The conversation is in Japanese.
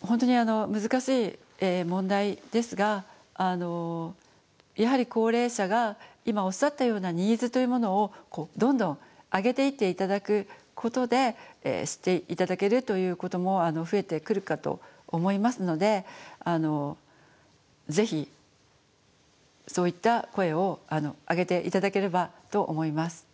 本当に難しい問題ですがやはり高齢者が今おっしゃったようなニーズというものをどんどん上げていって頂くことで知って頂けるということも増えてくるかと思いますのでぜひそういった声を上げて頂ければと思います。